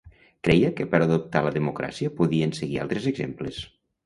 Creia que per adoptar la democràcia podien seguir altres exemples.